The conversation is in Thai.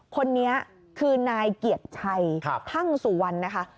คนนี้คือนายเกียรติไทยท่ังสู่วันนะคะ